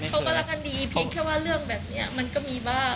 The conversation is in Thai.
เขาก็รักกันดีเพียงแค่ว่าเรื่องแบบนี้มันก็มีบ้าง